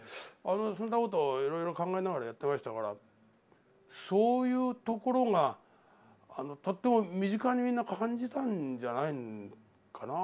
そんなことをいろいろ考えながらやってましたからそういうところがとっても身近にみんな感じたんじゃないんかなぁ